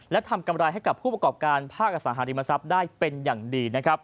และทำกำไรให้กับผู้ประกอบการภาคอสังหาริมทรัพย์ได้เป็นอย่างดีนะครับ